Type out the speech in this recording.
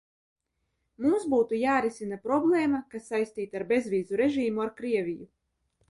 Mums būtu jārisina problēma, kas saistīta ar bezvīzu režīmu ar Krieviju.